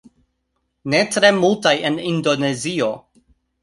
Ne tre multaj en indonezio